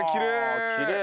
きれい。